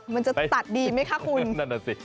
มันจะตัดดีไหมคะคุณ